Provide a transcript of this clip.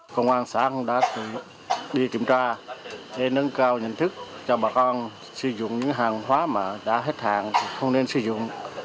công an xã cũng đã đi kiểm tra để nâng cao nhận thức cho bà con sử dụng những hàng hóa mà đã hết hạn không nên sử dụng